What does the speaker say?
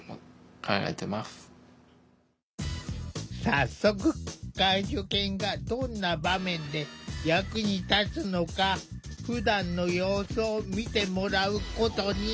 早速介助犬がどんな場面で役に立つのかふだんの様子を見てもらうことに。